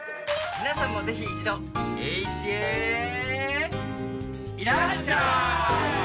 皆さんもぜひ一度エーイチへいらっしゃい！